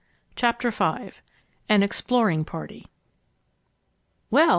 CHAPTER V AN EXPLORING PARTY "Well!"